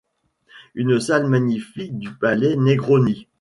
Une salle magnifique du palais Negroni.